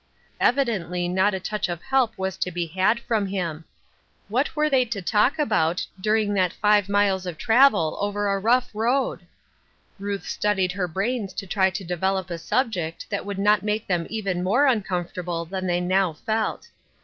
Evidently not a touch of help was to be had from him. What were they to talk about during that five miles of travel over a rough road? Ruth studied her brains to try to develop a sub ject that would not make them even more uncomfortable than they now felt.